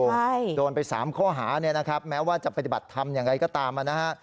ใช่โดนไปสามข้อหาเนี่ยนะครับแม้ว่าจะปฏิบัติธรรมอย่างไรก็ตามมานะฮะ